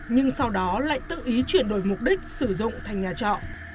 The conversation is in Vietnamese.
nhưng sau đó lại tự ý chuyển đổi mục đích sử dụng thành nhà trọ